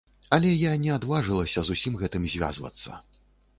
Але я не адважылася з гэтым усім звязвацца.